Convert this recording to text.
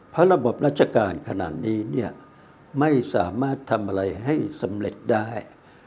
เพราะระบบราชการขนาดนี้เนี่ยไม่สามารถทำอะไรให้สำเร็จได้